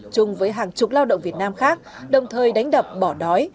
chung với hàng chục lao động việt nam khác đồng thời đánh đập bỏ đói